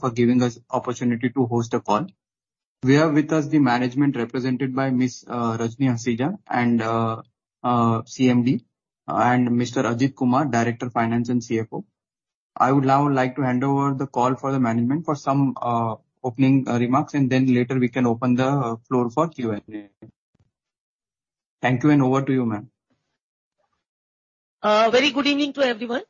for giving us opportunity to host a call. We have with us the management, represented by Miss Rajni Hasija and CMD, and Mr. Ajit Kumar, Director of Finance and CFO. I would now like to hand over the call for the management for some opening remarks, and then later we can open the floor for Q&A. Thank you. Over to you, ma'am. Very good evening to everyone.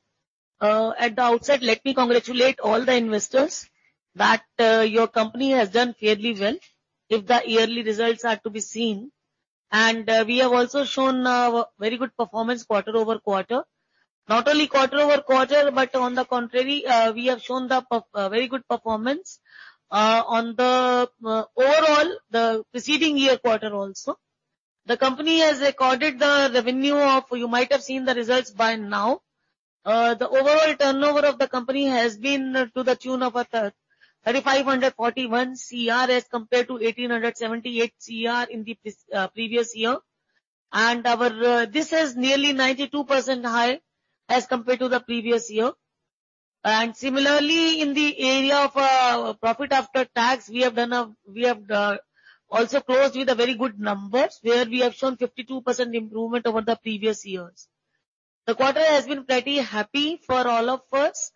At the outset, let me congratulate all the investors that your company has done fairly well if the yearly results are to be seen, we have also shown very good performance quarter-over-quarter. Not only quarter-over-quarter, but on the contrary, we have shown very good performance on the overall, the preceding year quarter also. The company has recorded the revenue of. You might have seen the results by now. The overall turnover of the company has been to the tune of 3,541 crore as compared to 1,878 crore in the previous year, this is nearly 92% high as compared to the previous year. Similarly, in the area of profit after tax, we have also closed with very good numbers, where we have shown 52% improvement over the previous years. The quarter has been pretty happy for all of us,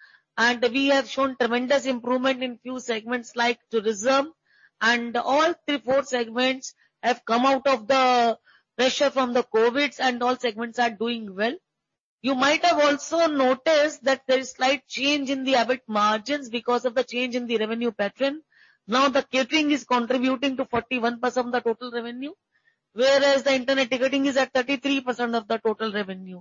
we have shown tremendous improvement in few segments like tourism, three, four segments have come out of the pressure from the COVID, all segments are doing well. You might have also noticed that there is slight change in the EBIT margins because of the change in the revenue pattern. Now, the catering is contributing to 41% of the total revenue, whereas the internet ticketing is at 33% of the total revenue.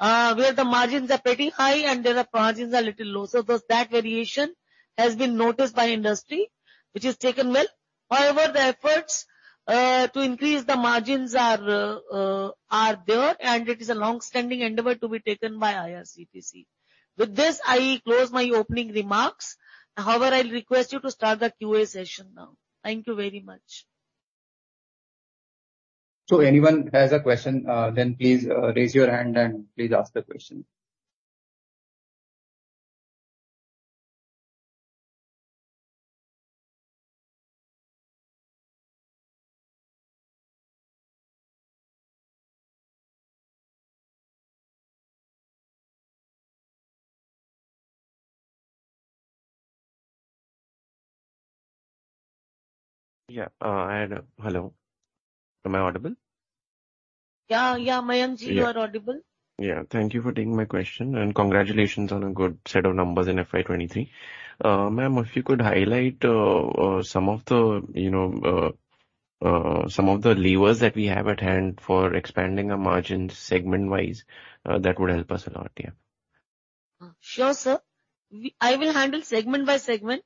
Where the margins are pretty high and there are margins are little lower, thus that variation has been noticed by industry, which is taken well. The efforts to increase the margins are there, and it is a long-standing endeavor to be taken by IRCTC. With this, I close my opening remarks. I'll request you to start the Q&A session now. Thank you very much. Anyone has a question, then please raise your hand and please ask the question. Hello. Am I audible? Yeah, yeah, Mayankji. Yeah. You are audible. Yeah. Thank you for taking my question. Congratulations on a good set of numbers in FY 23. Ma'am, if you could highlight some of the, you know, some of the levers that we have at hand for expanding our margins segment-wise, that would help us a lot. Yeah. Sure, sir. We, I will handle segment by segment.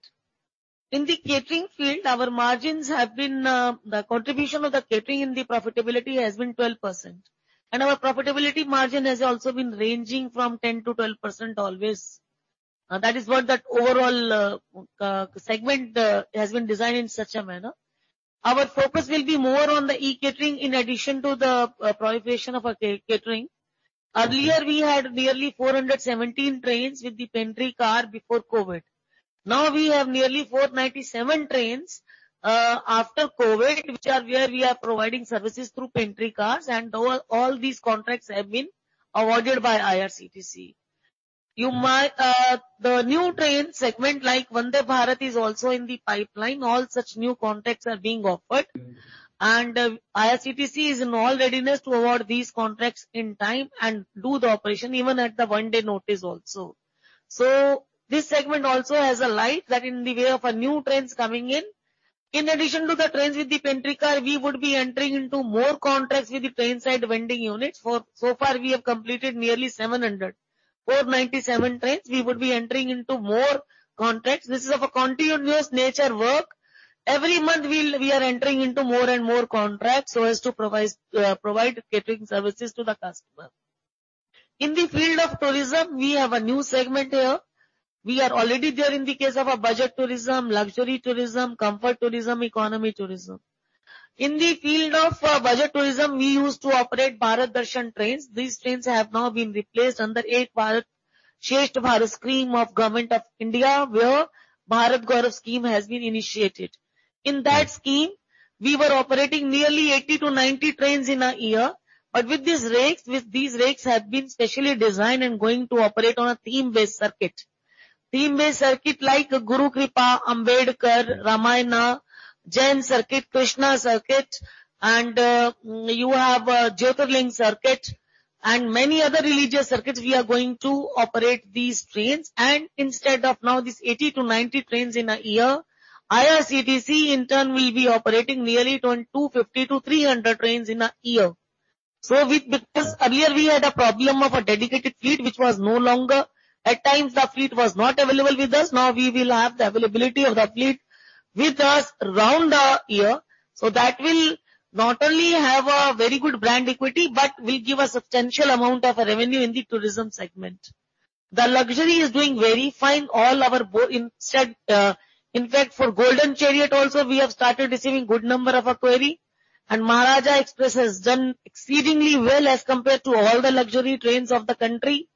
In the catering field, our margins have been, the contribution of the catering in the profitability has been 12%, and our profitability margin has also been ranging from 10%-12% always. That is what that overall segment has been designed in such a manner. Our focus will be more on the eCatering in addition to the proliferation of our catering. Earlier, we had nearly 417 trains with the pantry car before COVID. Now we have nearly 497 trains after COVID, which are where we are providing services through pantry cars, and all these contracts have been awarded by IRCTC. You might, the new train segment, like Vande Bharat, is also in the pipeline. All such new contracts are being offered. Mm. IRCTC is in all readiness to award these contracts in time and do the operation, even at the one-day notice also. This segment also has a light that in the way of a new trains coming in. In addition to the trains with the pantry car, we would be entering into more contracts with the Train Side Vending units. For so far, we have completed nearly 700. 497 trains, we would be entering into more contracts. This is of a continuous nature work. Every month we are entering into more and more contracts so as to provide catering services to the customer. In the field of tourism, we have a new segment here. We are already there in the case of a budget tourism, luxury tourism, comfort tourism, economy tourism. In the field of budget tourism, we used to operate Bharat Darshan trains. These trains have now been replaced under Ek Bharat Shreshtha Bharat Scheme of Government of India, where Bharat Gaurav scheme has been initiated. In that scheme, we were operating nearly 80 to 90 trains in a year, but with these rakes have been specially designed and going to operate on a theme-based circuit. Theme-based circuit, like Guru Kripa, Ambedkar, Ramayana, Jain Circuit, Krishna Circuit, and you have Jyotirlinga Circuit and many other religious circuits, we are going to operate these trains. Instead of now these 80 to 90 trains in a year, IRCTC, in turn, will be operating nearly around 250 to 300 trains in a year. With, because earlier we had a problem of a dedicated fleet which was no longer. At times, the fleet was not available with us. Now, we will have the availability of the fleet with us round the year. That will not only have a very good brand equity, but will give a substantial amount of revenue in the tourism segment. The luxury is doing very fine. All our in fact, for Golden Chariot also, we have started receiving good number of a query. Maharajas' Express has done exceedingly well as compared to all the luxury trains of the country.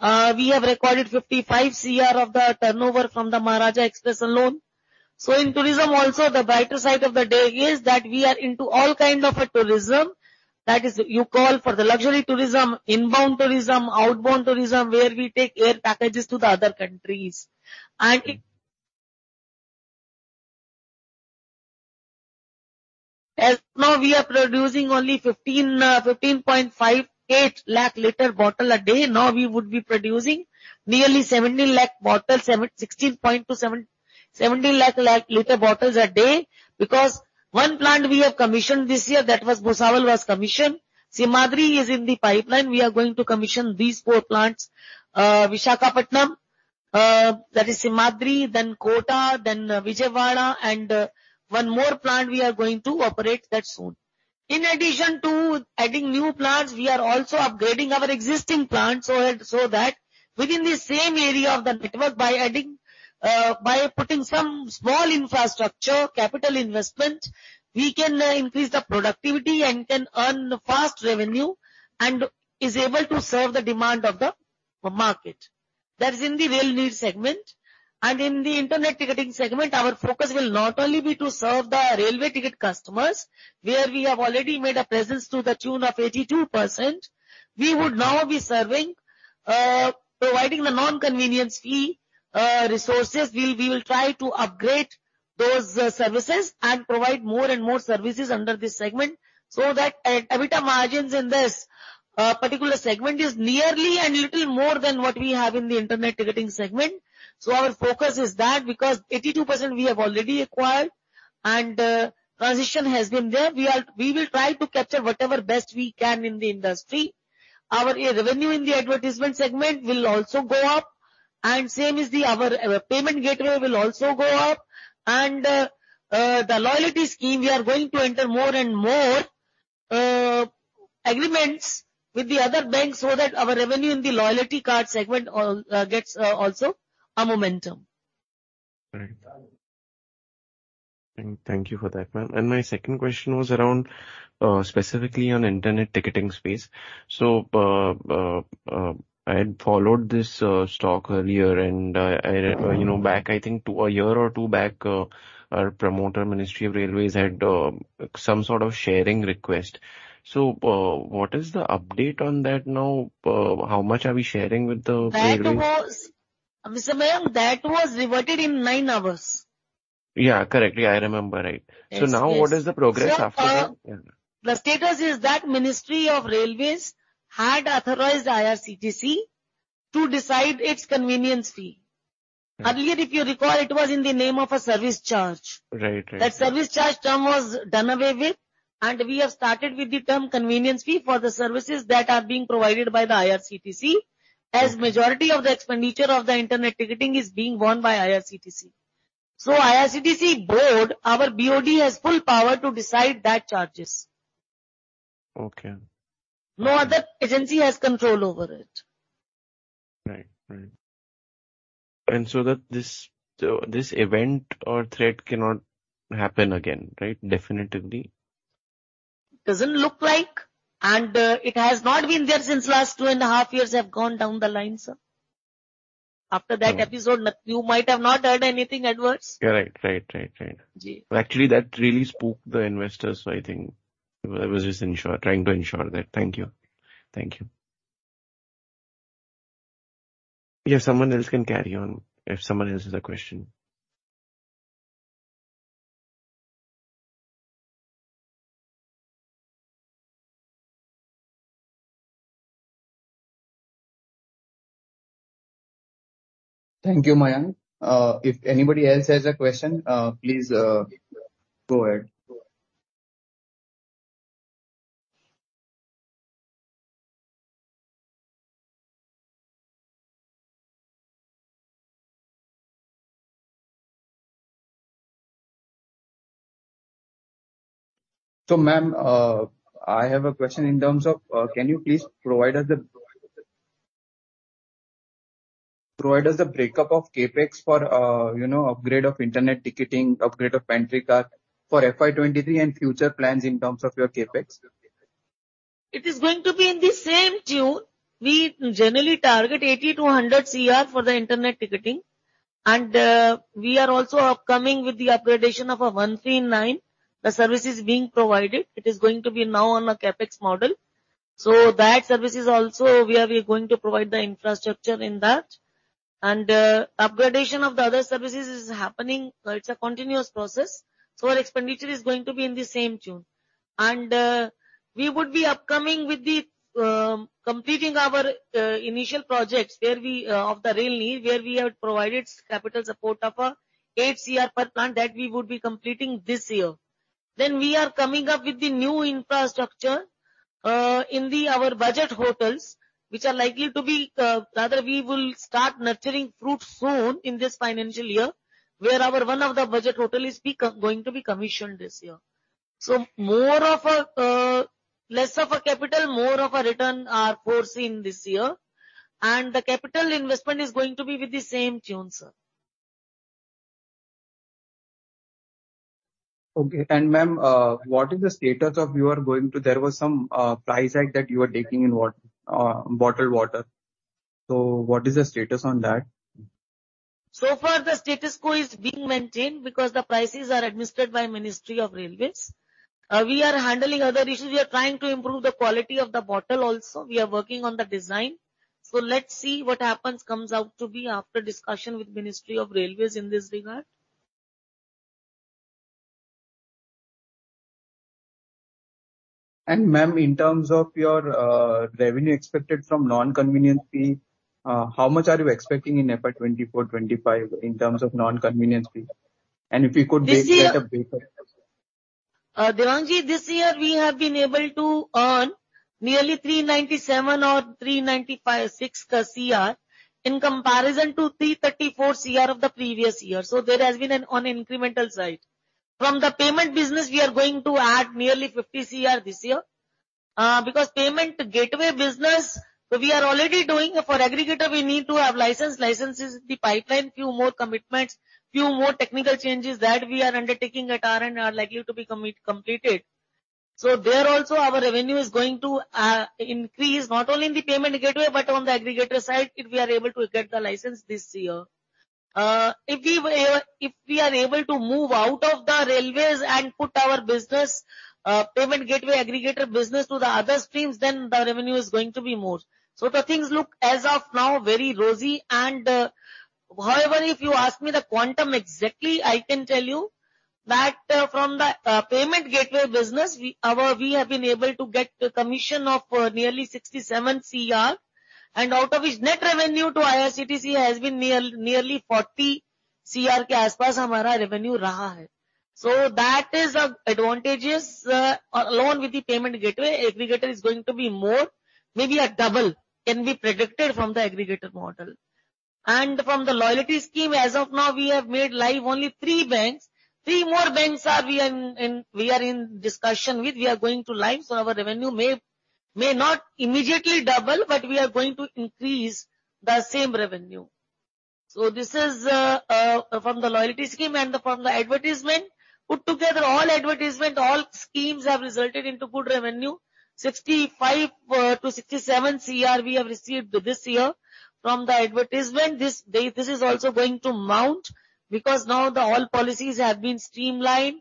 We have recorded 55 crore of the turnover from the Maharajas' Express alone. In tourism also, the brighter side of the day is that we are into all kind of a tourism. That is, you call for the luxury tourism, inbound tourism, outbound tourism, where we take air packages to the other countries. As now we are producing only 15.58 lakh liter bottle a day. Now we would be producing nearly 17 lakh liter bottles a day, because one plant we have commissioned this year, that was Bhusawal was commissioned. Simhadri is in the pipeline. We are going to commission these four plants. Visakhapatnam, that is Simhadri, then Kota, then Vijayawada, and one more plant we are going to operate that soon. In addition to adding new plants, we are also upgrading our existing plants so that within the same area of the network, by adding, by putting some small infrastructure capital investment, we can increase the productivity and can earn fast revenue and is able to serve the demand of the market. That is in the Rail Neer segment. In the internet ticketing segment, our focus will not only be to serve the railway ticket customers, where we have already made a presence to the tune of 82%. We would now be serving, providing the non-convenience fee resources. We will try to upgrade those services and provide more and more services under this segment, so that EBITDA margins in this particular segment is nearly and little more than what we have in the internet ticketing segment. Our focus is that because 82% we have already acquired and transition has been there, we will try to capture whatever best we can in the industry. Our revenue in the advertisement segment will also go up, and same is the, our payment gateway will also go up. The loyalty scheme, we are going to enter more and more agreements with the other banks so that our revenue in the loyalty card segment gets also a momentum. Right. Thank you for that, ma'am. My second question was around specifically on internet ticketing space. I had followed this stock earlier, and I, you know, back, I think a year or two back, our promoter, Ministry of Railways, had some sort of sharing request. What is the update on that now? How much are we sharing with the Railways? That was, Mr. Mayank, that was reverted in nine hours. Yeah, correctly, I remember. Right. Yes, yes. Now what is the progress after that? Yeah. The status is that Ministry of Railways had authorized IRCTC to decide its convenience fee. Mm-hmm. Earlier, if you recall, it was in the name of a service charge. Right. Right. That service charge term was done away with, and we have started with the term convenience fee for the services that are being provided by the IRCTC. Mm-hmm. As majority of the expenditure of the internet ticketing is being borne by IRCTC. IRCTC board, our BOD, has full power to decide that charges. Okay. No other agency has control over it. Right. Right. That this event or threat cannot happen again, right? Definitely. Doesn't look like, and it has not been there since last two and a half years have gone down the line, sir. After that episode, you might have not heard anything adverse. Yeah, right. Right, right. Ji. Actually, that really spooked the investors. I think I was just trying to ensure that. Thank you. Yeah, someone else can carry on if someone else has a question. Thank you, Mayank. If anybody else has a question, please go ahead. Ma'am, I have a question in terms of, can you please provide us the breakup of CapEx for, you know, upgrade of internet ticketing, upgrade of pantry car for FY 2023 and future plans in terms of your CapEx. It is going to be in the same tune. We generally target 80-100 crore for the internet ticketing. We are also upcoming with the upgradation of a 139. The service is being provided. It is going to be now on a CapEx model. That service is also where we are going to provide the infrastructure in that. Upgradation of the other services is happening. It's a continuous process, so our expenditure is going to be in the same tune. We would be upcoming with the completing our initial projects, where we of the Rail Neer, where we have provided capital support of 8 crore per plant, that we would be completing this year. We are coming up with the new infrastructure in the, our budget hotels, which are likely to be, rather we will start nurturing fruits soon in this financial year, where our one of the budget hotel is going to be commissioned this year. More of a, less of a capital, more of a return are foreseen this year, and the capital investment is going to be with the same tune, sir. Okay, ma'am, what is the status of there was some price hike that you were taking in bottled water? What is the status on that? So far, the status quo is being maintained because the prices are administered by Ministry of Railways. We are handling other issues. We are trying to improve the quality of the bottle also. We are working on the design. Let's see what happens, comes out to be after discussion with Ministry of Railways in this regard. Ma'am, in terms of your revenue expected from non-convenience fee, how much are you expecting in FY 2024, 2025 in terms of non-convenience fee? if you could break- This year. Break it down. Devangi, this year we have been able to earn nearly 397 crore or 395.6 crore, in comparison to 334 crore of the previous year. There has been an on incremental side. From the payment business, we are going to add nearly 50 crore this year because payment gateway business, we are already doing. For aggregator, we need to have license. License is in the pipeline, few more commitments, few more technical changes that we are undertaking at RN are likely to be completed. There also our revenue is going to increase not only in the payment gateway, but on the aggregator side, if we are able to get the license this year. If we were, if we are able to move out of the railways and put our business, payment gateway aggregator business to the other streams, then the revenue is going to be more. The things look as of now, very rosy and. However, if you ask me the quantum exactly, I can tell you that, from the payment gateway business, we have been able to get commission of nearly 67 crore, and out of which net revenue to IRCTC has been nearly 40 crore, ke aas pas hamara revenue raha hai. That is an advantageous, alone with the payment gateway aggregator is going to be more. Maybe a double can be predicted from the aggregator model. From the loyalty scheme, as of now, we have made live only three banks. Three more banks are we in discussion with. We are going to live, so our revenue may not immediately double, but we are going to increase the same revenue. This is from the loyalty scheme and from the advertisement. Put together all advertisement, all schemes have resulted into good revenue. 65 crore-67 crore we have received this year from the advertisement. This is also going to mount, because now the all policies have been streamlined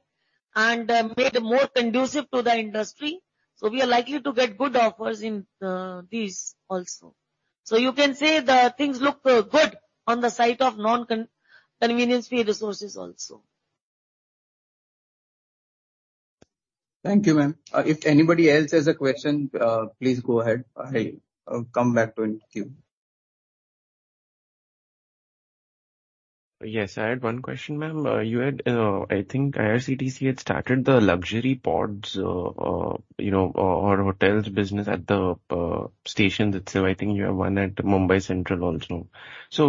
and made more conducive to the industry. We are likely to get good offers in these also. You can say the things look good on the side of non-convenience fee resources also. Thank you, ma'am. If anybody else has a question, please go ahead. I come back to you. Yes, I had one question, ma'am. I think IRCTC had started the pod hotel, you know, or hotels business at the station itself. I think you have one at Mumbai Central also.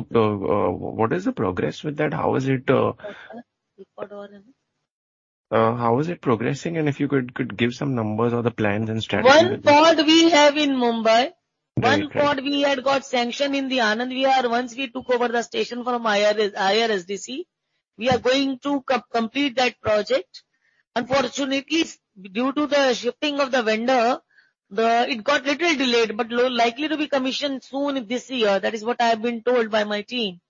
What is the progress with that? How is it? pod or what? how is it progressing? If you could give some numbers or the plans and strategy. One pod we have in Mumbai. Very good. One pod we had got sanction in the Anand Vihar. Once we took over the station from IRSDC, we are going to complete that project. Unfortunately, due to the shifting of the vendor, it got little delayed, but likely to be commissioned soon this year. That is what I have been told by my team.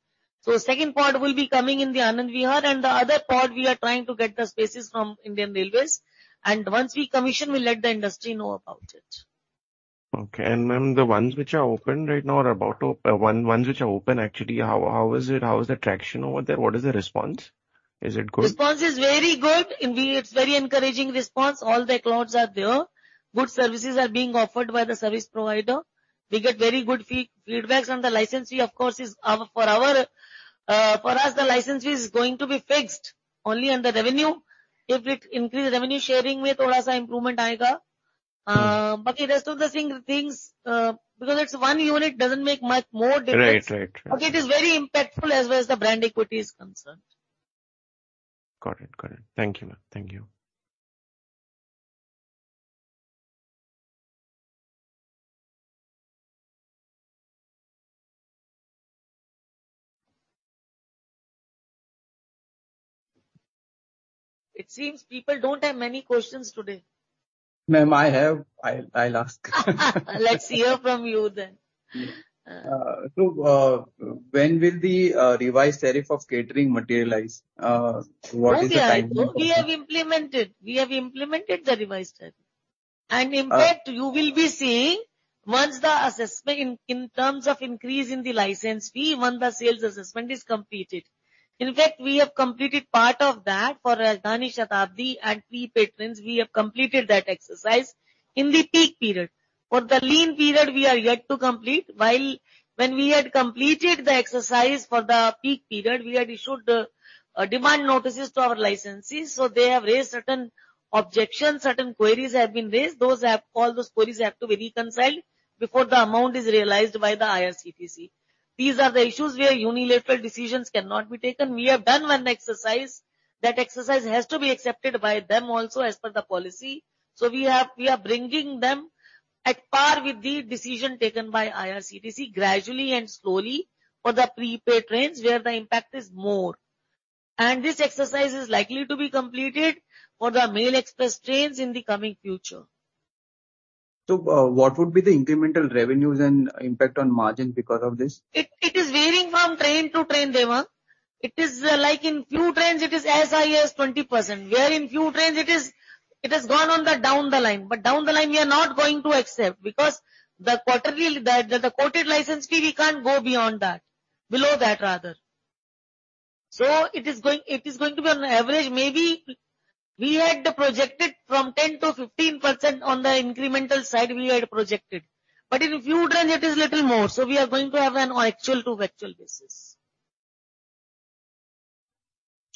Second pod will be coming in the Anand Vihar, and the other pod, we are trying to get the spaces from Indian Railways, and once we commission, we'll let the industry know about it. Okay. ma'am, the ones which are open right now or about to open, ones which are open actually, how is it? How is the traction over there? What is the response? Is it good? Response is very good. Indeed, it's very encouraging response. All the clouds are there. Good services are being offered by the service provider. We get very good feedbacks on the licensee, of course, for us, the licensee is going to be fixed only on the revenue. If it increase revenue, sharing mein thoda sa improvement aayega. Mm-hmm. Rest of the thing, things, because it's one unit, doesn't make much more difference. Right. Right, right. It is very impactful as well as the brand equity is concerned. Got it. Got it. Thank you, ma'am. Thank you. It seems people don't have many questions today. Ma'am, I have. I'll ask. Let's hear from you then. When will the revised tariff of catering materialize? What is the timeline? We have implemented the revised tariff. Uh- In fact, you will be seeing once the assessment in terms of increase in the license fee, when the sales assessment is completed. In fact, we have completed part of that for Rajdhani Shatabdi and pre-pay trains, we have completed that exercise in the peak period. For the lean period, we are yet to complete, while when we had completed the exercise for the peak period, we had issued demand notices to our licensees, so they have raised certain objections, certain queries have been raised. All those queries have to be reconciled before the amount is realized by the IRCTC. These are the issues where unilateral decisions cannot be taken. We have done one exercise. That exercise has to be accepted by them also as per the policy. We are bringing them at par with the decision taken by IRCTC gradually and slowly for the prepaid trains, where the impact is more. This exercise is likely to be completed for the mail express trains in the coming future. What would be the incremental revenues and impact on margin because of this? It is varying from train to train, Devon. It is like in few trains, it is as high as 20%, where in few trains it has gone on the down the line. Down the line, we are not going to accept, because the quarterly, the quoted license fee, we can't go beyond that. Below that, rather. It is going to be on average, maybe we had projected from 10%-15% on the incremental side, we had projected. In a few trains it is little more, so we are going to have an actual to virtual basis.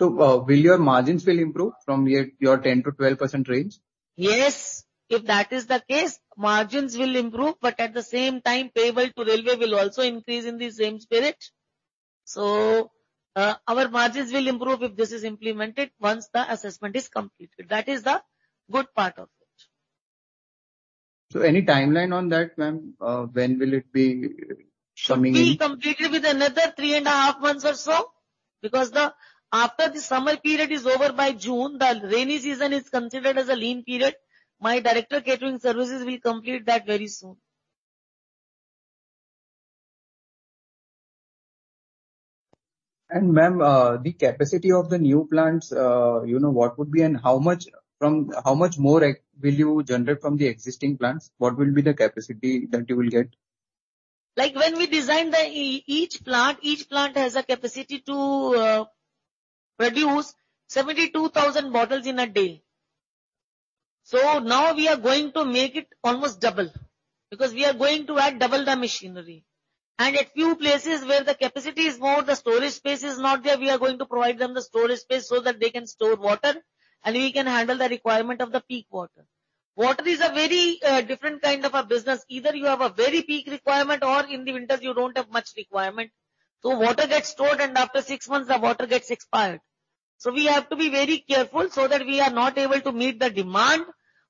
Will your margins improve from your 10%-12% range? Yes. If that is the case, margins will improve, but at the same time, payable to railway will also increase in the same spirit. Our margins will improve if this is implemented once the assessment is completed. That is the good part of it. Any timeline on that, ma'am? When will it be coming in? It will be completed with another three and a half months or so, because after the summer period is over by June, the rainy season is considered as a lean period. My director, catering services, will complete that very soon. Ma'am, the capacity of the new plants, you know, what would be and how much more will you generate from the existing plants? What will be the capacity that you will get? When we design each plant, each plant has a capacity to produce 72,000 bottles in a day. Now we are going to make it almost double, because we are going to add double the machinery. A few places where the capacity is more, the storage space is not there, we are going to provide them the storage space so that they can store water, and we can handle the requirement of the peak water. Water is a very different kind of a business. Either you have a very peak requirement or in the winters you don't have much requirement. Water gets stored, and after six months the water gets expired. We have to be very careful so that we are not able to meet the demand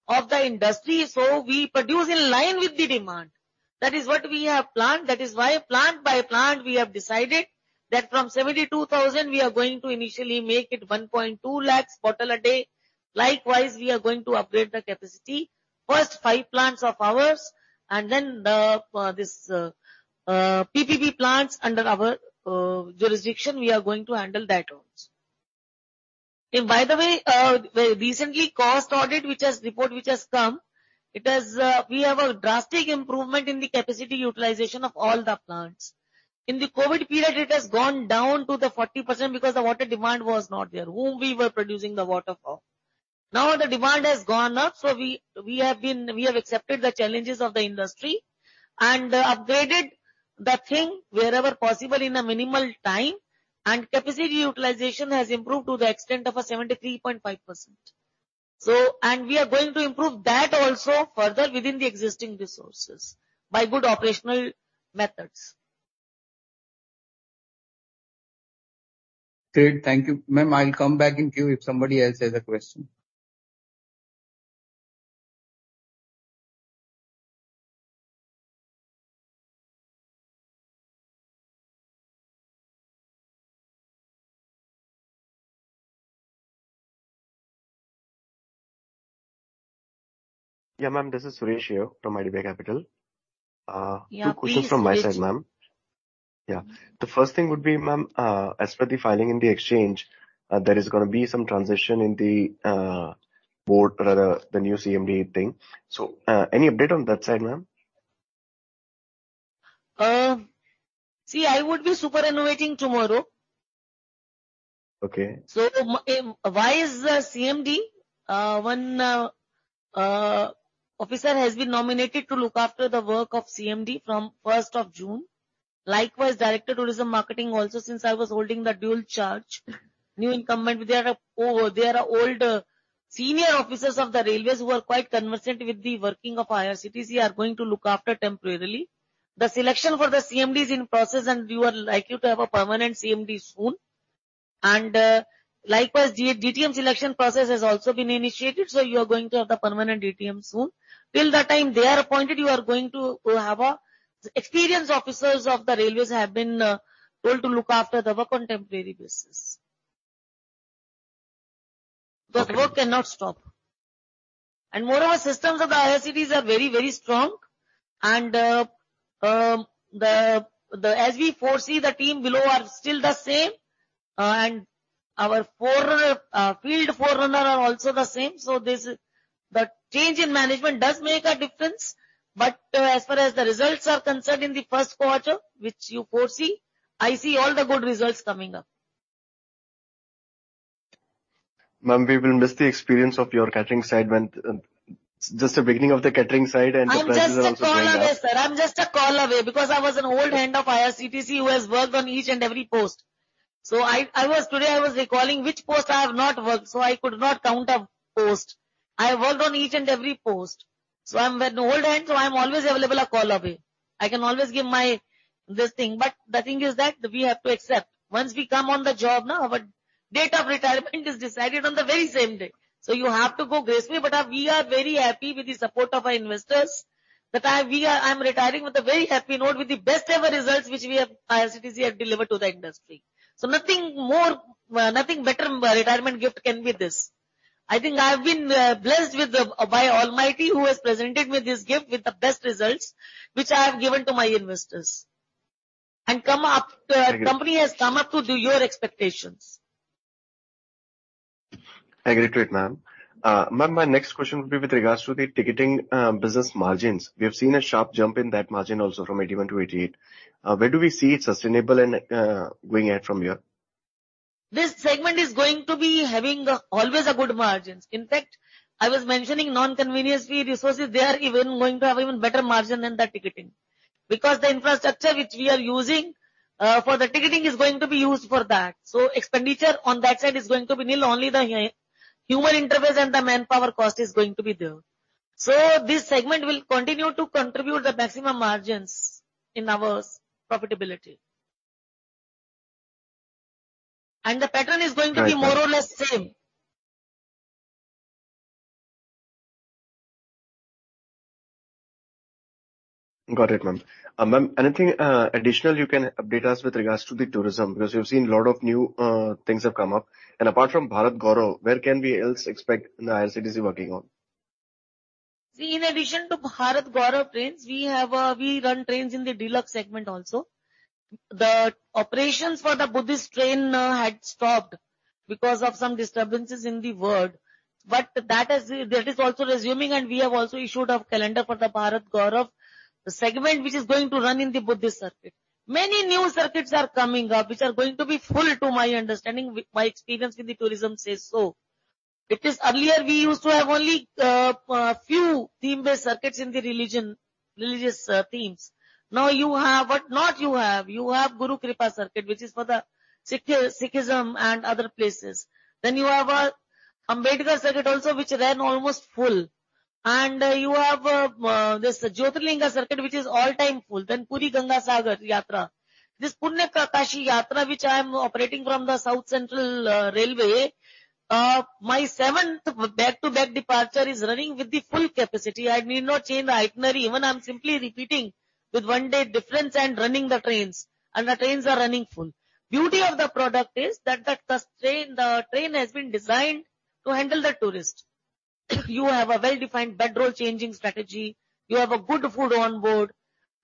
of the industry. We produce in line with the demand. That is what we have planned. That is why plant by plant, we have decided that from 72,000, we are going to initially make it 1.2 lakhs bottle a day. Likewise, we are going to upgrade the capacity, first five plants of ours and then the this PPP plants under our jurisdiction, we are going to handle that also. By the way, recently, cost audit, which has report, which has come, it has, we have a drastic improvement in the capacity utilization of all the plants. In the Covid period, it has gone down to the 40% because the water demand was not there, whom we were producing the water for. The demand has gone up, we have accepted the challenges of the industry and upgraded the thing wherever possible in a minimal time. Capacity utilization has improved to the extent of a 73.5%. We are going to improve that also further within the existing resources by good operational methods. Great. Thank you, ma'am. I'll come back in queue if somebody else has a question. Yeah, ma'am, this is Suresh here from IDBI Capital. Yeah, please, Suresh. Two questions from my side, ma'am. Yeah. The first thing would be, ma'am, as per the filing in the exchange, there is gonna be some transition in the board, rather, the new CMD thing. Any update on that side, ma'am? See, I would be superannuating tomorrow. Okay. Vice CMD, one officer has been nominated to look after the work of CMD from 1st of June. Likewise, Director, Tourism Marketing also, since I was holding the dual charge, new incumbent, there are old, senior officers of the Railways who are quite conversant with the working of IRCTC, are going to look after temporarily. The selection for the CMD is in process, and we were likely to have a permanent CMD soon. Likewise, DTM selection process has also been initiated, so you are going to have the permanent DTM soon. Till the time they are appointed, you are going to have Experienced officers of the Railways have been told to look after the work on temporary basis. Thank you. The work cannot stop. Moreover, systems of the IRCTC are very strong as we foresee, the team below are still the same and our field forerunner are also the same. The change in management does make a difference, but as far as the results are concerned, in the first quarter, which you foresee, I see all the good results coming up. Ma'am, we will miss the experience of your catering side when... Just the beginning of the catering side and the prices are also... I'm just a call away, sir. I'm just a call away. I was an old hand of IRCTC who has worked on each and every post. Today I was recalling which post I have not worked. I could not count a post. I worked on each and every post. I'm with the old hand. I'm always available a call away. I can always give my, this thing. The thing is that we have to accept. Once we come on the job now, our date of retirement is decided on the very same day. You have to go gracefully. We are very happy with the support of our investors, that I'm retiring with a very happy note, with the best ever results which we have, IRCTC, have delivered to the industry. Nothing more, nothing better retirement gift can be this. I think I've been blessed by Almighty, who has presented me this gift with the best results, which I have given to my investors. Come up. I get it. Company has come up to your expectations. I agree to it, ma'am. Ma'am, my next question would be with regards to the ticketing, business margins. We have seen a sharp jump in that margin also from 81% to 88%. Where do we see it sustainable and, going ahead from here? This segment is going to be having always a good margins. In fact, I was mentioning non-convenience fee resources, they are even going to have even better margin than the ticketing. Because the infrastructure which we are using for the ticketing is going to be used for that. Expenditure on that side is going to be nil. Only the hi-human interface and the manpower cost is going to be there. This segment will continue to contribute the maximum margins in our profitability. The pattern is going to be- Got you. more or less same. Got it, ma'am. Ma'am, anything additional you can update us with regards to the tourism? Because we've seen a lot of new things have come up. Apart from Bharat Gaurav, where can we else expect the IRCTC working on? In addition to Bharat Gaurav trains, we have, we run trains in the deluxe segment also. The operations for the Buddhist train had stopped because of some disturbances in the world, but that is also resuming, and we have also issued a calendar for the Bharat Gaurav segment, which is going to run in the Buddhist Circuit. Many new circuits are coming up, which are going to be full, to my understanding, with my experience in the tourism says so. It is earlier we used to have only few theme-based circuits in the religion, religious themes. Now you have, what not you have Guru Kripa Circuit, which is for Sikhism and other places. You have Ambedkar Circuit also, which ran almost full. You have this Jyotirlinga Circuit, which is all-time full. Puri Gangasagar Yatra. This Punya Kashi Yatra, which I am operating from the South Central Railway, my seventh back-to-back departure is running with the full capacity. I need not change the itinerary. Even I'm simply repeating with one day difference and running the trains, and the trains are running full. Beauty of the product is that the train has been designed to handle the tourist. You have a well-defined bedroll changing strategy. You have a good food on board.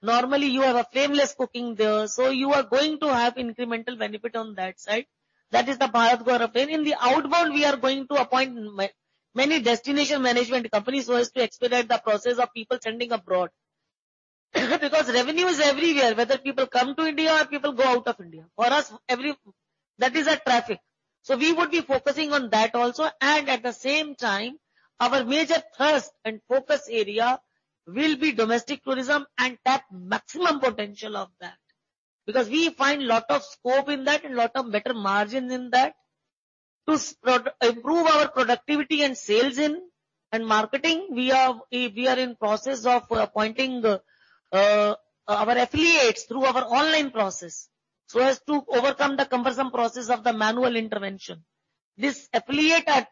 Normally, you have flameless cooking there, so you are going to have incremental benefit on that side. That is the Bharat Gaurav train. In the outbound, we are going to appoint many destination management companies so as to expedite the process of people traveling abroad. Because revenue is everywhere, whether people come to India or people go out of India. For us, every... That is our traffic. We would be focusing on that also. At the same time, our major thrust and focus area will be domestic tourism and tap maximum potential of that, because we find lot of scope in that and lot of better margins in that. To improve our productivity and sales in and marketing, we are in process of appointing our affiliates through our online process, so as to overcome the cumbersome process of the manual intervention. This affiliate at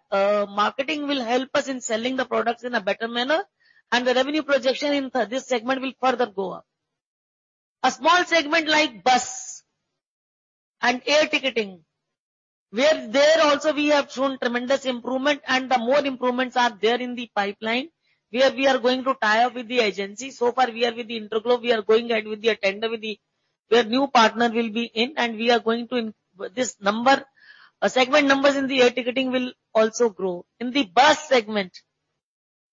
marketing will help us in selling the products in a better manner, and the revenue projection in this segment will further go up. A small segment like bus and air ticketing, where there also we have shown tremendous improvement and the more improvements are there in the pipeline, where we are going to tie up with the agency. We are with the InterGlobe. We are going ahead with the tender, where new partner will be in. This number, segment numbers in the air ticketing will also grow. In the bus segment,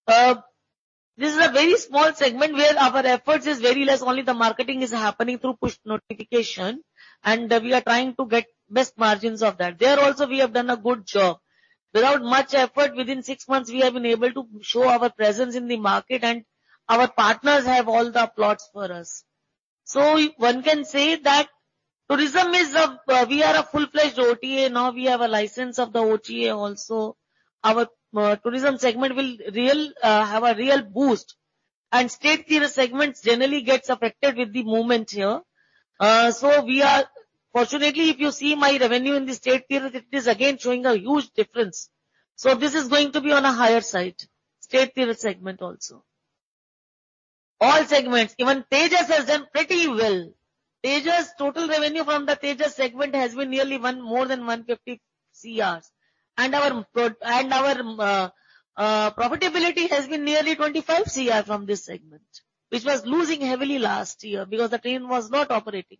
this is a very small segment where our efforts is very less. Only the marketing is happening through push notification, and we are trying to get best margins of that. There also, we have done a good job. Without much effort, within six months, we have been able to show our presence in the market. Our partners have all the applause for us. One can say that tourism is a. We are a full-fledged OTA now. We have a license of the OTA also. Our tourism segment will real, have a real boost. State tourist segments generally gets affected with the movement here. We are... Fortunately, if you see my revenue in the state tourism, it is again showing a huge difference. This is going to be on a higher side, state tourism segment also. All segments, even Tejas has done pretty well. Tejas, total revenue from the Tejas segment has been more than 150 CRs. Our profitability has been nearly 25 CR from this segment, which was losing heavily last year because the train was not operating.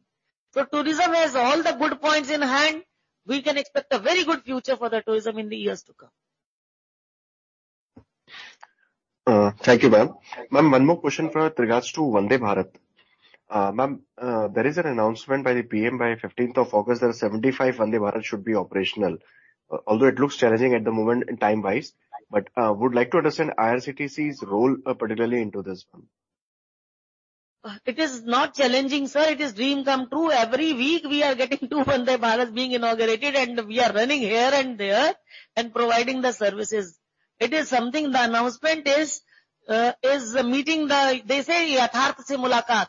Tourism has all the good points in hand. We can expect a very good future for the tourism in the years to come. Thank you, ma'am. Ma'am, one more question with regards to Vande Bharat. Ma'am, there is an announcement by the PM, by 15th of August, that 75 Vande Bharat should be operational. Although it looks challenging at the moment time-wise, but would like to understand IRCTC's role particularly into this one. It is not challenging, sir, it is dream come true. Every week we are getting two Vande Bharat being inaugurated, and we are running here and there and providing the services. It is something the announcement is meeting the, they say, "...". Right, ma'am.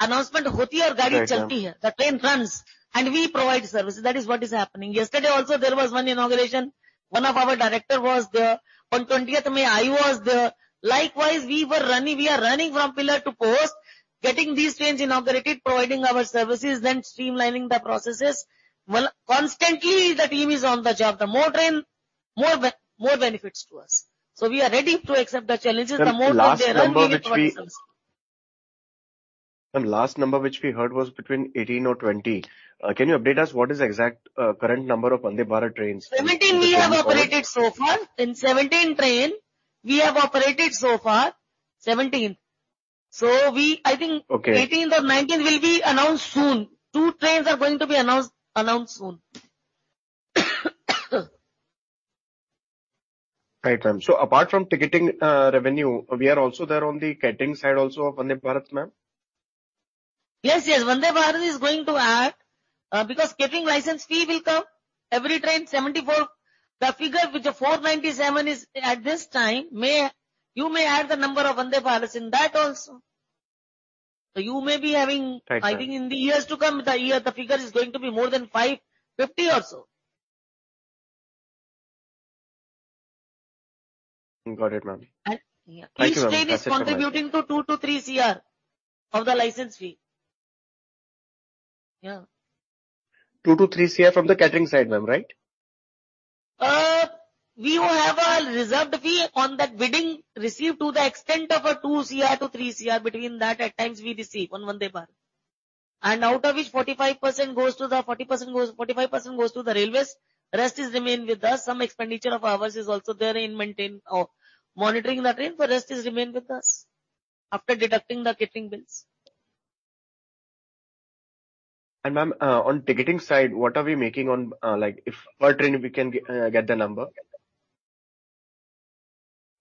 The train runs, we provide services. That is what is happening. Yesterday also there was one inauguration. One of our director was there. On 20th May, I was there. Likewise, we are running from pillar to post, getting these trains inaugurated, providing our services, then streamlining the processes. Constantly the team is on the job. The more train, more benefits to us. We are ready to accept the challenges. Ma'am, last number which. trains we provide services. Ma'am, last number which we heard was between 18 or 20. Can you update us what is the exact current number of Vande Bharat trains? 17 we have operated so far. In 17 train we have operated so far. 17. Okay. 18 or 19 will be announced soon. Two trains are going to be announced soon. Right, ma'am. Apart from ticketing, revenue, we are also there on the catering side also of Vande Bharat, ma'am? Yes, yes. Vande Bharat is going to add because catering license fee will come. Every train, 74. The figure which is 497 is at this time. You may add the number of Vande Bharat in that also. You may be having- Right, ma'am. I think in the years to come, the year, the figure is going to be more than 550 or so. Got it, ma'am. Yeah. Thank you, ma'am. Each train is contributing to 2-3 crore of the license fee. Yeah. 2-3 cr from the catering side, ma'am, right? We will have a reserved fee on that bidding received to the extent of a 2 crore-3 crore between that at times we receive on Vande Bharat. Out of which 45% goes to the railways, rest is remain with us. Some expenditure of ours is also there in maintain or monitoring the train, rest is remain with us after deducting the catering bills. Ma'am, on ticketing side, what are we making on, like, if per train we can get the number?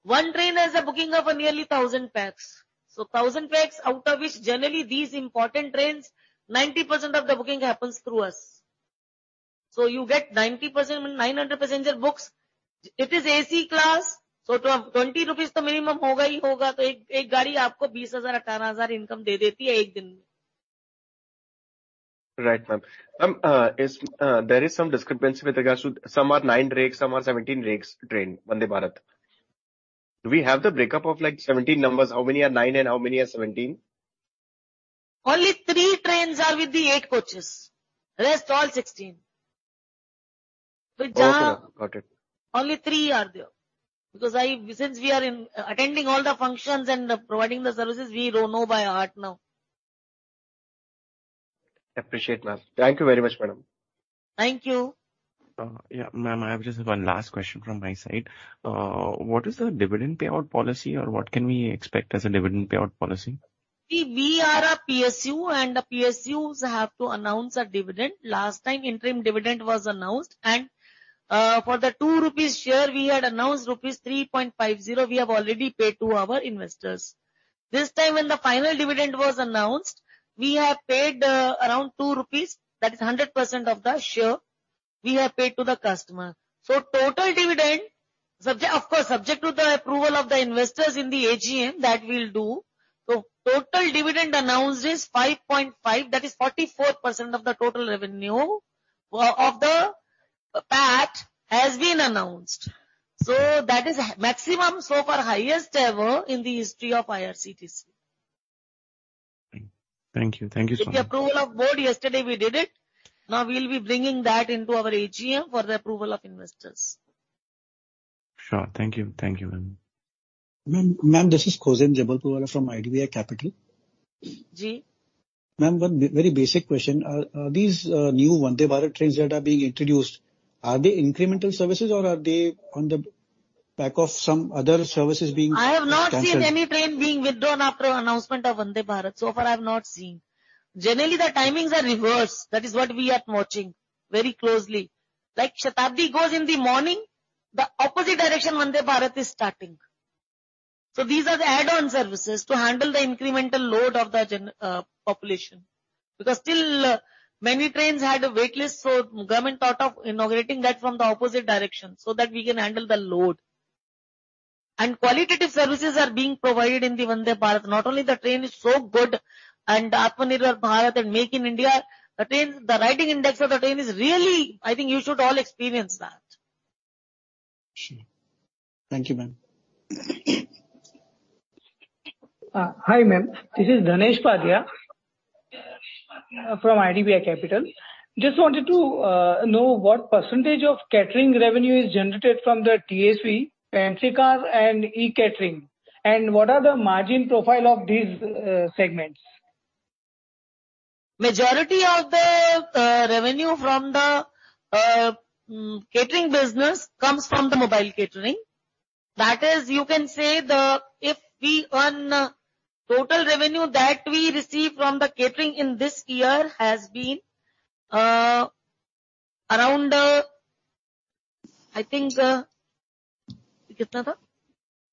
One train has a booking of a nearly 1,000 pax. 1,000 pax, out of which generally these important trains, 90% of the booking happens through us. You get 90%, 900 passenger books. It is AC class, 20 rupees, the minimum, income. Right, ma'am. There is some discrepancy with regards to some are nine rakes, some are 17 rakes train, Vande Bharat. Do we have the breakup of, like, 17 numbers? How many are nine and how many are 17? Only three trains are with the eight coaches. Rest all 16. Okay. Got it. Only three are there. Since we are in attending all the functions and providing the services, we do know by heart now. Appreciate, ma'am. Thank you very much, madam. Thank you. Ma'am, I have just one last question from my side. What is the dividend payout policy or what can we expect as a dividend payout policy? We are a PSU, and the PSUs have to announce a dividend. Last time, interim dividend was announced, and, for the 2 rupees share, we had announced rupees 3.50 we have already paid to our investors. This time, when the final dividend was announced, we have paid around 2 rupees, that is 100% of the share we have paid to the customer. So total dividend, of course, subject to the approval of the investors in the AGM, that we'll do. So total dividend announced is 5.5, that is 44% of the total revenue of the PAT has been announced. So that is a maximum so far, highest ever in the history of IRCTC. Thank you. Thank you so much. With the approval of Board yesterday, we did it. We will be bringing that into our AGM for the approval of investors. Sure. Thank you. Thank you, ma'am. Ma'am, this is Khozem Jabalpurwala from IDBI Capital. Ji. Ma'am, one very basic question. These new Vande Bharat trains that are being introduced, are they incremental services or are they on the back of some other services being canceled? I have not seen any train being withdrawn after announcement of Vande Bharat. So far, I've not seen. Generally, the timings are reversed. That is what we are watching very closely. Like, Shatabdi goes in the morning, the opposite direction Vande Bharat is starting. These are the add-on services to handle the incremental load of the gen population. Because still many trains had a waitlist, Government thought of inaugurating that from the opposite direction so that we can handle the load. Qualitative services are being provided in the Vande Bharat. Not only the train is so good, and Atmanirbhar Bharat and Make in India, the riding index of the train is really. I think you should all experience that. Sure. Thank you, ma'am. Hi, ma'am. This is Dhanesh Padia, from IDBI Capital. Just wanted to know what % of catering revenue is generated from the TSV, pantry car, and eCatering, and what are the margin profile of these segments? Majority of the revenue from the catering business comes from mobile catering. That is, you can say, if we earn total revenue that we receive from the catering in this year has been around... I think, kitna tha?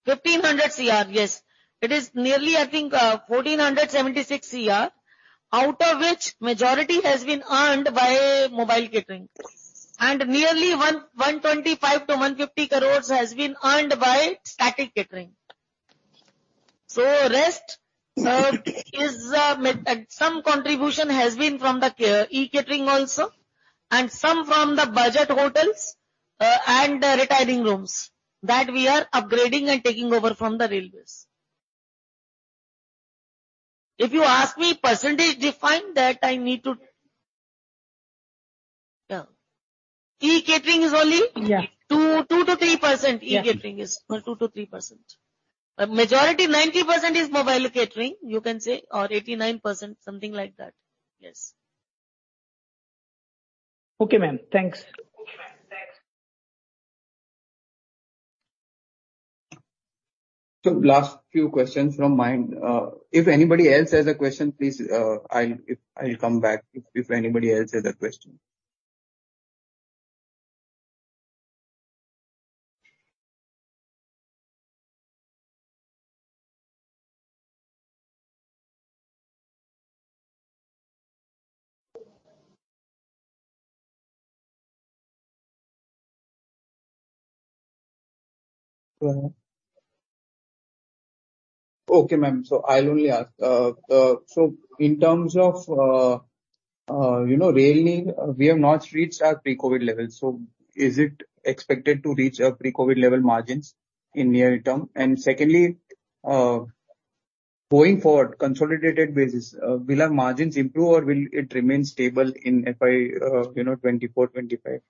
1,500 crore, yes. It is nearly, I think, 1,476 crore, out of which majority has been earned by mobile catering. Nearly 125 crore-150 crore has been earned by static catering. Rest is met at some contribution has been from eCatering also, and some from the budget hotels and the retiring rooms that we are upgrading and taking over from the Railways. If you ask me percentage, define that I need to... E-catering is only 2%-3%. E-catering is 2%-3%. Majority, 90% is mobile catering, you can say, or 89%, something like that. Yes. Okay, ma'am. Thanks. Okay, ma'am. Thanks. Last few questions from my. If anybody else has a question, please, I'll come back if anybody else has a question. Okay, ma'am. I'll only ask. In terms of, you know, Rail Neer, we have not reached our pre-COVID level. Is it expected to reach our pre-COVID level margins in near term? Secondly, going forward, consolidated basis, will our margins improve or will it remain stable in FY, you know, 2024, 2025?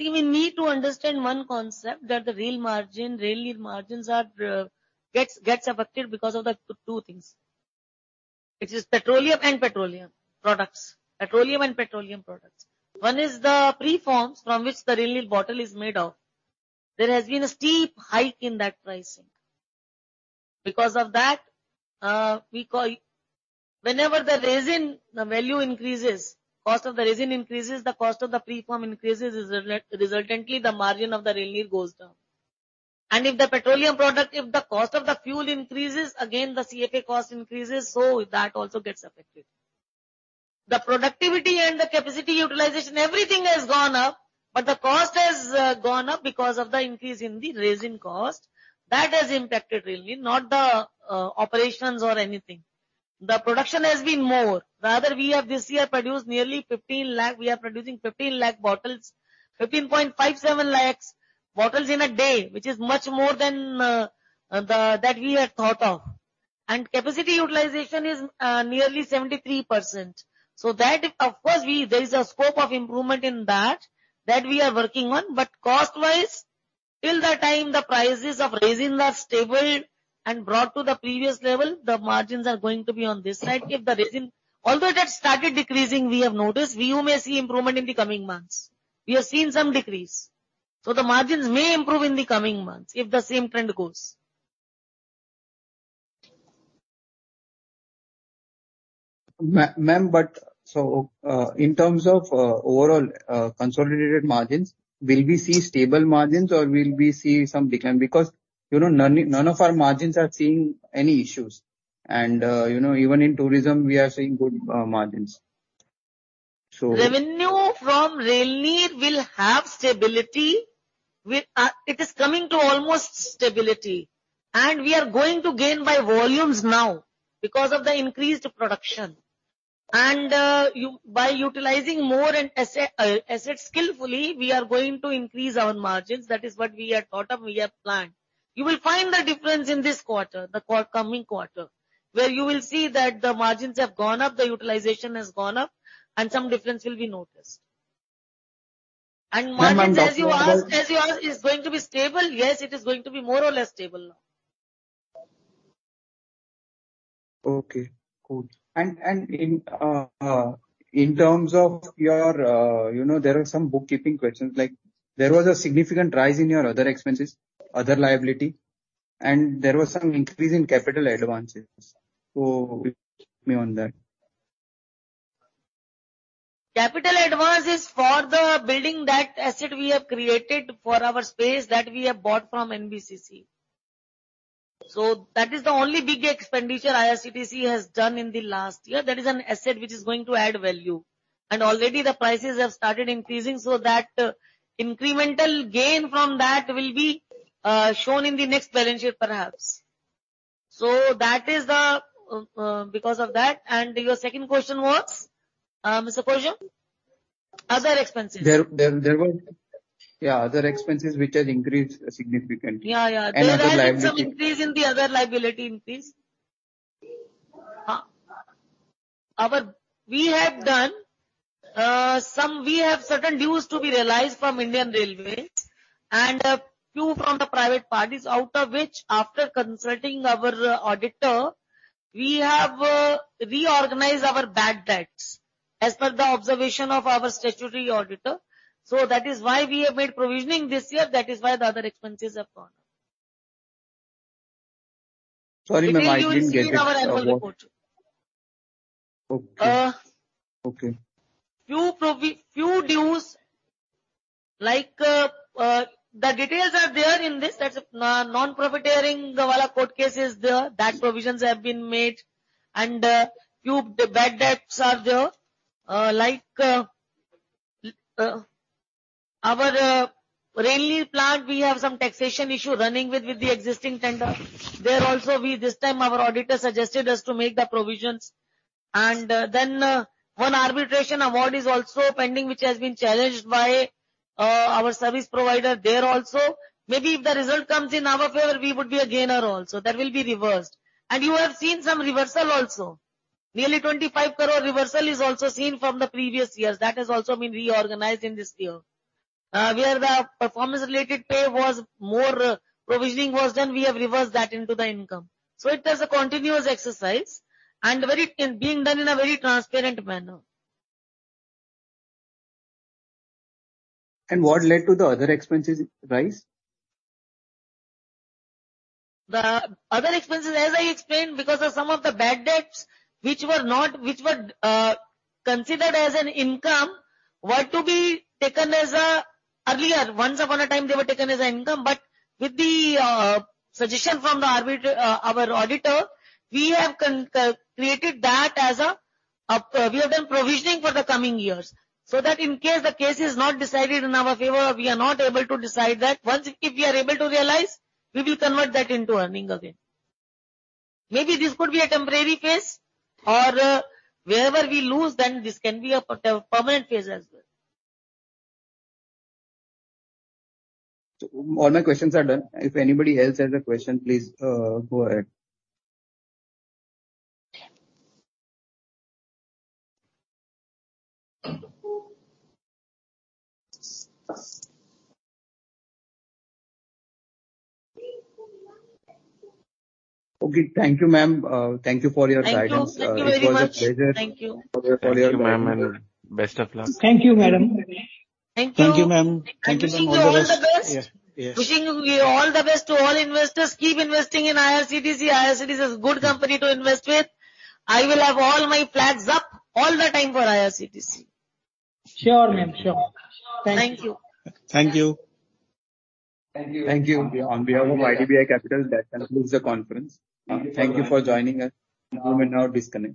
See, we need to understand one concept, that the rail margin, Rail Neer margins are affected because of the two things, which is petroleum and petroleum products. Petroleum and petroleum products. One is the preforms from which the Rail Neer bottle is made of. There has been a steep hike in that pricing. Because of that, we call whenever the resin, the value increases, cost of the resin increases, the cost of the preform increases, resultantly, the margin of the Rail Neer goes down. If the petroleum product, if the cost of the fuel increases, again, the CFA cost increases, so that also gets affected. The productivity and the capacity utilization, everything has gone up, but the cost has gone up because of the increase in the resin cost. That has impacted Rail Neer, not the operations or anything. The production has been more. Rather, we have this year produced nearly 15 lakh. We are producing 15 lakh bottles, 15.57 lakh bottles in a day, which is much more than that we had thought of. Capacity utilization is nearly 73%. That of course there is a scope of improvement in that we are working on. Cost-wise, till the time the prices of resin are stable and brought to the previous level, the margins are going to be on this side. If the resin Although it has started decreasing, we have noticed, we may see improvement in the coming months. We have seen some decrease, the margins may improve in the coming months if the same trend goes. Ma'am, in terms of overall consolidated margins, will we see stable margins or will we see some decline? You know, none of our margins are seeing any issues. You know, even in tourism, we are seeing good margins. Revenue from Rail Neer will have stability. It is coming to almost stability. We are going to gain by volumes now because of the increased production. By utilizing more and asset skillfully, we are going to increase our margins. That is what we had thought of, we have planned. You will find the difference in this quarter, the coming quarter, where you will see that the margins have gone up, the utilization has gone up, and some difference will be noticed. Margins, as you asked, is going to be stable. Yes, it is going to be more or less stable now. Okay, cool. In terms of your, you know, there are some bookkeeping questions, like, there was a significant rise in your other expenses, other liability, and there was some increase in capital advances. Please me on that. Capital advance is for the building, that asset we have created for our space that we have bought from NBCC. That is the only big expenditure IRCTC has done in the last year. That is an asset which is going to add value, and already the prices have started increasing, so that incremental gain from that will be shown in the next balance sheet, perhaps. That is the, because of that. Your second question was, Mr. Koshy? Other expenses. There were, yeah, other expenses which has increased significantly. Yeah, yeah. Other liability. There has been some increase in the other liability increase. We have certain dues to be realized from Indian Railways and a few from the private parties, out of which, after consulting our auditor, we have reorganized our bad debts as per the observation of our statutory auditor. That is why we have made provisioning this year. That is why the other expenses have gone up. Sorry, ma'am, I didn't get it. Our annual report. Okay. Okay. Few dues, like, the details are there in this, that's, non-profit hearing wala court case is there, that provisions have been made and, few bad debts are there. Like, our Maneri plant, we have some taxation issue running with the existing tender. There also, we this time our auditor suggested us to make the provisions. Then, one arbitration award is also pending, which has been challenged by our service provider there also. Maybe if the result comes in our favor, we would be a gainer also. That will be reversed. You have seen some reversal also. Nearly 25 crore reversal is also seen from the previous years. That has also been reorganized in this year. Where the performance related pay was more, provisioning was done, we have reversed that into the income. It is a continuous exercise and it being done in a very transparent manner. What led to the other expenses rise? The other expenses, as I explained, because of some of the bad debts which were considered as an income. Earlier, once upon a time, they were taken as an income, but with the suggestion from our auditor, we have created that as a, we have done provisioning for the coming years, so that in case the case is not decided in our favor, or we are not able to decide that, once if we are able to realize, we will convert that into earning again. Maybe this could be a temporary phase or, wherever we lose, then this can be a permanent phase as well. All my questions are done. If anybody else has a question, please go ahead. Okay. Thank you, ma'am. Thank you for your guidance. Thank you, thank you very much. It was a pleasure. Thank you. Thank you, ma'am, and best of luck. Thank you, madam. Thank you. Thank you, ma'am. Wishing you all the best. Yes, yes. Wishing you all the best to all investors. Keep investing in IRCTC. IRCTC is a good company to invest with. I will have all my flags up all the time for IRCTC. Sure, ma'am, sure. Thank you. Thank you. Thank you. On behalf of IDBI Capital, that concludes the conference. Thank you for joining us. You may now disconnect.